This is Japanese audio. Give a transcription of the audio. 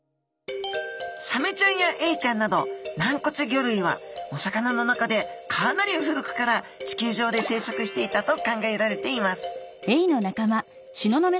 サメちゃんやエイちゃんなど軟骨魚類はお魚の中でかなり古くから地球上で生息していたと考えられています